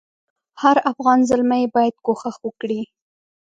هر افغان زلمی باید کوښښ وکړي.